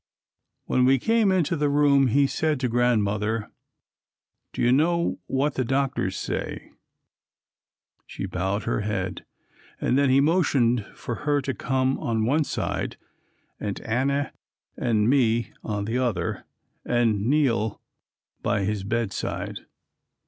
When we came into the room he said to Grandmother, "Do you know what the doctors say?" She bowed her head, and then he motioned for her to come on one side and Anna and me on the other and kneel by his bedside.